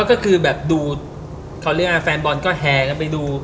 ก็คือแบบดูเขาเรียกว่าแฟนบอลก็แหกันไปดู